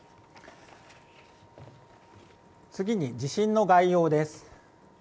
次に地震の概要です。